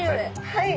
はい！